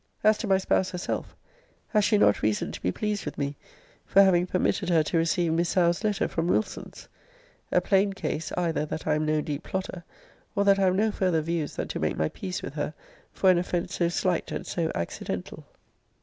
As to my spouse herself, has she not reason to be pleased with me for having permitted her to receive Miss Howe's letter from Wilson's? A plain case, either that I am no deep plotter, or that I have no farther views than to make my peace with her for an offence so slight and so accidental.